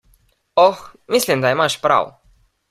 Oh, mislim, da imaš prav.